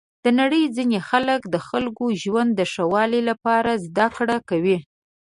د نړۍ ځینې خلک د خپل ژوند د ښه والي لپاره زده کړه کوي.